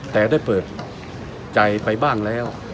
แต่ได้เปิดใจไปบ้างแล้ว